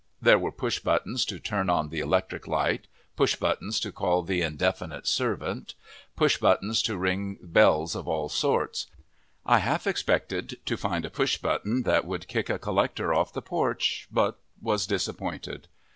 There were push buttons to turn on the electric light, push buttons to call the indefinite servant, push buttons to ring bells of all sorts. I half expected to find a push button that would kick a collector off the porch, but was disappointed.